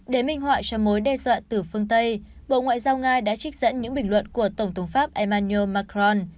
để minh họa cho mối đe dọa từ phương tây bộ ngoại giao nga đã trích dẫn những bình luận của tổng thống pháp emmano macron